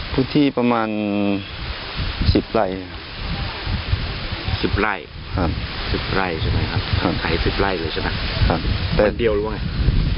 พื้นที่ประมาณ๑๐ไร่ถ่าย๑๐ไร่ใช่มั้ยครับมันเดียวหรือเปล่าไง